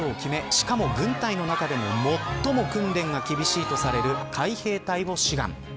しかも軍隊の中でも最も訓練が厳しいとされる海兵隊を志願。